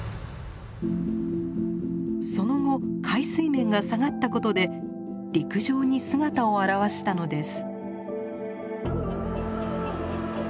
その後海水面が下がったことで陸上に姿を現したのです。